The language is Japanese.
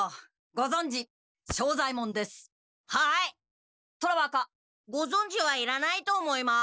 「ごぞんじ」はいらないと思います。